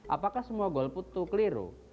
apakah semua golput tuh keliru